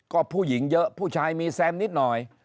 ก็ผู้หญิงเยอะผู้ชายมีแซมนิดหน่อย